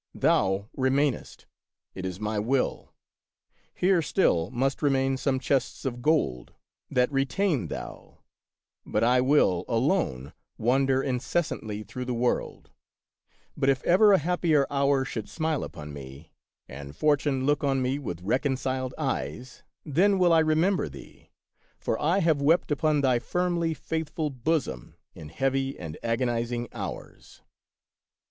Thou remainest ; it is my will. Here still must remain some chests of gold: that retain thou; but I will, alone, wan der incessantly through the world ; but if ever a happier hour should smile upon me, and fortune look on me with reconciled eyes, then will I remember thee, for I have wept upon thy firmly faithful bosom in heavy and agonizing hours."